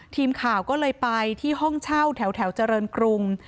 ทีมข่าวก็เลยไปที่ห้องเช่าแถวเจริญกรุง